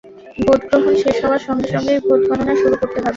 Vote গ্রহণ শেষ হওয়ার সঙ্গে সঙ্গেই ভোট গণনা শুরু করতে হবে।